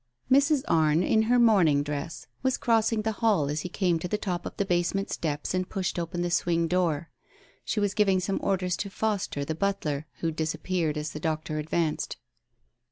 Mrs. Arne in her mourning dress was crossing the hall as he came to the top of the basement steps and pushed open the swing door. She was giving some orders to Foster, the butler, who disappeared as the doctor advanced.